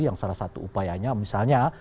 yang salah satu upayanya misalnya